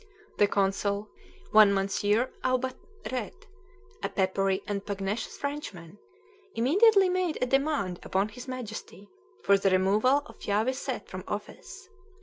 The consul, one Monsieur Aubaret, a peppery and pugnacious Frenchman, immediately made a demand upon his Majesty for the removal of Phya Wiset from office.